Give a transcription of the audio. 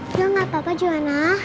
ya gak apa apa juhana